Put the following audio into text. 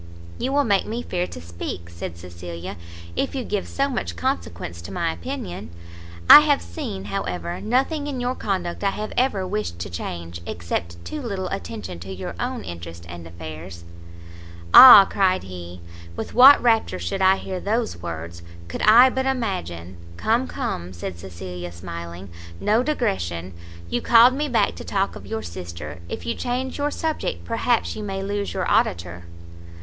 "You will make me fear to speak," said Cecilia, "if you give so much consequence to my opinion. I have seen, however, nothing in your conduct I have ever wished changed, except too little attention to your own interest and affairs." "Ah!" cried he, "with what rapture should I hear those words, could I but imagine " "Come, come," said Cecilia, smiling, "no digression! You called me back to talk of your sister; if you change your subject, perhaps you may lose your auditor."